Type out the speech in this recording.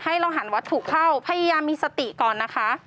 ให้เราหันวัตถุเข้าพยายามมีสติก่อนนะคะ